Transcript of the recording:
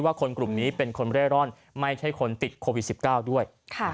คนกลุ่มนี้เป็นคนเร่ร่อนไม่ใช่คนติดโควิด๑๙ด้วย